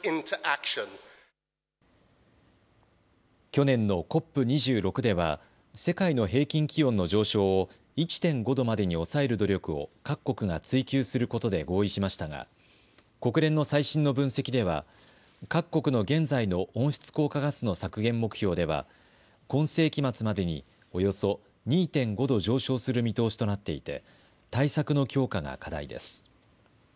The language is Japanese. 去年のＣＯＰ２６では世界の平均気温の上昇を１．５度までに抑える努力を各国が追求することで合意しましたが国連の最新の分析では各国の現在の温室効果ガスの削減目標では今世紀末までにおよそ２．５度上昇する見通しとなっていて対策の強化が課題です。